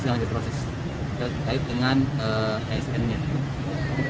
kita proses terkait dengan asn nya